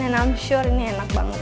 and i'm sure ini enak banget